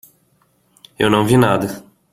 Eu não vi nada.